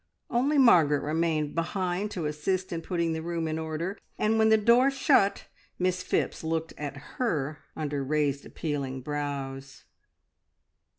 Only Margaret remained behind to assist in putting the room in order, and when the door shut Miss Phipps looked at her under raised appealing brows.